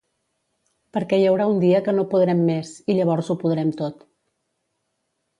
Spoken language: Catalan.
Perquè hi haurà un dia que no podrem més i llavors ho podrem tot.